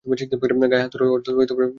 গায়ে হাত তুলে অযথা জেলের ভাত খাবেন না।